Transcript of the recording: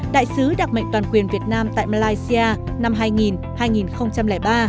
đại sứ đặc mệnh toàn quyền việt nam tại malaysia năm hai nghìn hai nghìn ba